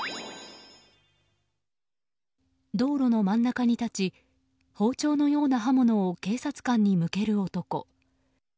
道路の真ん中に立ち包丁のような刃物を警察官に向ける男。